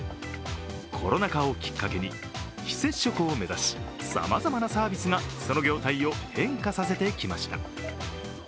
コロナ禍をきっかけに、非接触を目指しさまざまなサービスがその業態を変化させてきました。